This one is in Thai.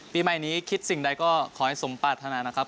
ปีใหม่นี้คิดสิ่งใดก็ขอให้สมปรารถนานะครับ